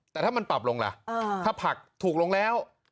แต่ถ้ามันปรับลงล่ะถ้าผักถูกลงแล้ว